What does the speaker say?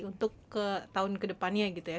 untuk tahun kedepannya gitu ya